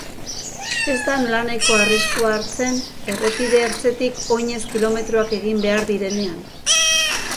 Ez da nolanahiko arriskua hartzen errepide ertzetik oinez kilometroak egin behar direnean.